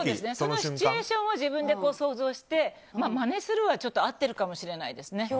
シチュエーションを自分で想像してまねするは合ってるかもしれないですね。